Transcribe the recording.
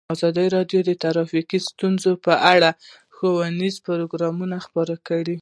ازادي راډیو د ټرافیکي ستونزې په اړه ښوونیز پروګرامونه خپاره کړي.